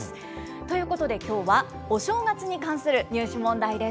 ということできょうは、お正月に関する入試問題です。